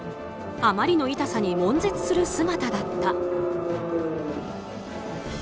あまりの痛さに悶絶する姿だった。